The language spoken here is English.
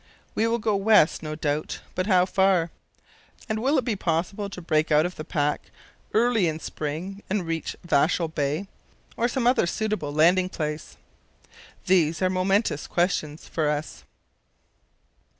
We will go west, no doubt, but how far? And will it be possible to break out of the pack early in the spring and reach Vahsel Bay or some other suitable landing place? These are momentous questions for us."